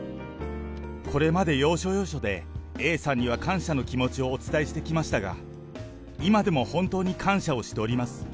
これまで要所要所で、Ａさんには感謝の気持ちをお伝えしてきましたが、今でも本当に感謝をしております。